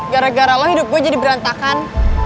gara gara lo hidup gue jadi berantakan